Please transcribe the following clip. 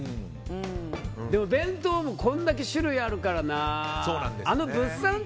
でも弁当もこんだけ種類あるからな。